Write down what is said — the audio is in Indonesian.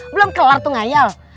belum kelar tuh ngayal